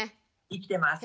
生きてます。